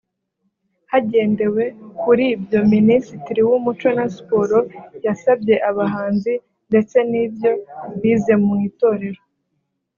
Hagendewe kuri ibyo Minisitiri w’Umuco na Siporo yasabye abahanzi ndetse n’ibyo bize mu itorero